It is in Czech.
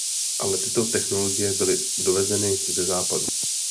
Ale tyto technologie byly dovezeny ze západu.